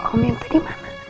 om yang pergi dimana